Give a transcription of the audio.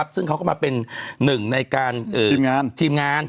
ซึ่งเขาก็มาเป็นหนึ่งในการทีมงาน